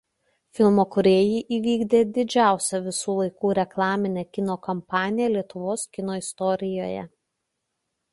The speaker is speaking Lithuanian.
Filmo kūrėjai įvykdė didžiausią visų laikų reklaminę kino kampaniją Lietuvos kino istorijoje.